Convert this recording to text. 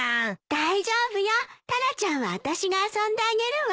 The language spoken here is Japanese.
大丈夫よタラちゃんはあたしが遊んであげるわ。